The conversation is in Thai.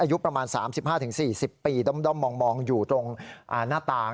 อายุประมาณ๓๕๔๐ปีด้อมมองอยู่ตรงหน้าต่าง